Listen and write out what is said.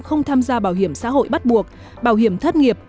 không tham gia bảo hiểm xã hội bắt buộc bảo hiểm thất nghiệp